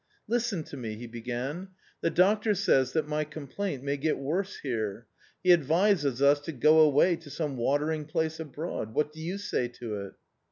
" Listen to me," he began, " the doctor says that my complaint may get worse here ; he advises us to go away to some watering place abroad. What do you say to it